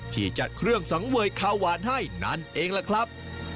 ที่จัดเครื่องสังเวยข้าวหวานให้นั่นเองล่ะครับ